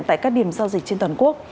tại các điểm giao dịch trên toàn quốc